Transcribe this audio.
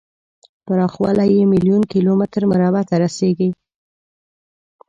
پراخوالی یې میلیون کیلو متر مربع ته رسیږي.